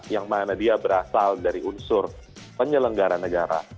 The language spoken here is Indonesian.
yang mana dia berasal dari unsur penyelenggara negara